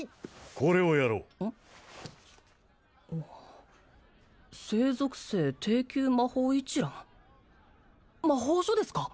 これをやろう聖属性低級魔法一覧魔法書ですか？